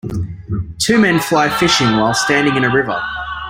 Two men fly fishing while standing in a river.